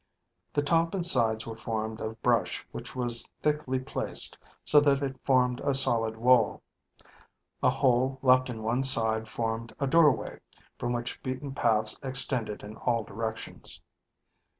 The top and sides were formed of brush which was thickly placed so that it formed a solid wall. A hole left in one side formed a doorway from which beaten paths extended in all directions.